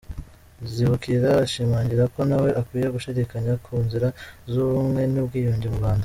Zibukira ashimangira ko ntawe ukwiye gushidikanya ku nzira y’ubumwe n’ubwiyunge mu Rwanda.